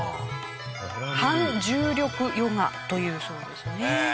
反重力ヨガというそうですね。